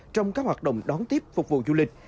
trong các hoạt động đón tiếp phục vụ du lịch